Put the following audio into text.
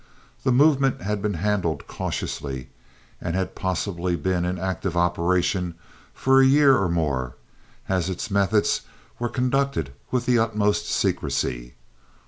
The movement had been handled cautiously, and had possibly been in active operation for a year or more, as its methods were conducted with the utmost secrecy.